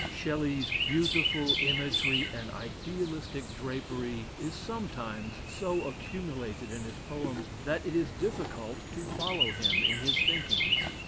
Shelley's beautiful imagery and idealistic drapery is sometimes so accumulated in his poems, that it is difficult to follow him in his thinkings.